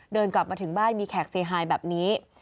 เดินกลับมาถึงบ้านมีแขกซีไฮแบบนี้